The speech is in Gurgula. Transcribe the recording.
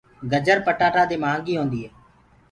گجر پٽآتآ دي مهآنگي هوندي هي۔